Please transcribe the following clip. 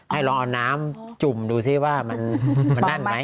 ให้ลองเอาน้ำจุ่มดูซิว่ามันแน่นไหม